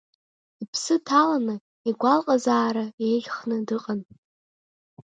Иԥсы ҭаланы, игәалаҟазаара еиӷьханы дыҟан.